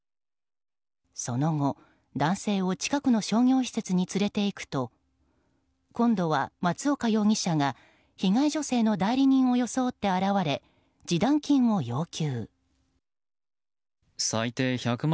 その後、男性を近くの商業施設に連れていくと今度は松岡容疑者が被害女性の代理人を装って現れ示談金を要求。